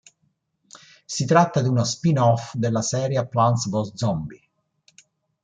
Si tratta di uno spin-off della serie "Plants vs. Zombies".